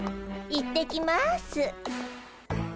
行ってきます。